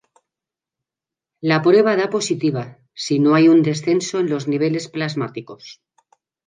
La prueba da positiva si no hay un descenso en los niveles plasmáticos.